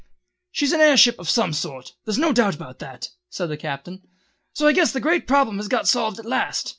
"She's an air ship of some sort, there's no doubt about that," said the Captain, "so I guess the great problem has got solved at last.